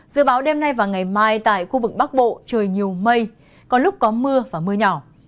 dự báo đêm nay và ngày mai tại khu vực bắc bộ trời nhiều mây có lúc có mưa và mưa nhỏ